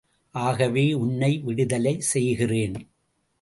ஆகவே உன்னை விடுதலை செய்கிறேன்.